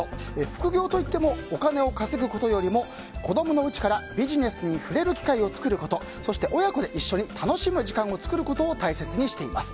副業といってもお金を稼ぐことよりも子供のうちからビジネスに触れる機会を作ることそして、親子で一緒に楽しむ時間を作ることを大切にしています。